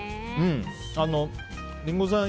リンゴさん